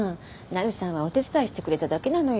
なるさんはお手伝いしてくれただけなのよ。